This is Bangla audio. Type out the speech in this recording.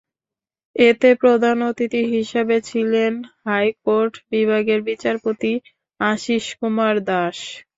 এতে প্রধান অতিথি হিসেবে ছিলেন হাইকোর্ট বিভাগের বিচারপতি আশিস কুমার দাস।